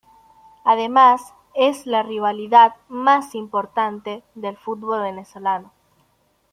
Además es la rivalidad más importante del fútbol venezolano.